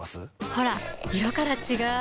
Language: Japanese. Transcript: ほら色から違う！